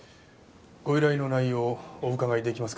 ご依頼の内容をお伺い出来ますか？